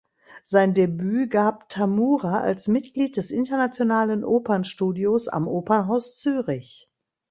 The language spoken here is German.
Sein Debüt gab Tamura als Mitglied des Internationalen Opernstudios am Opernhaus Zürich.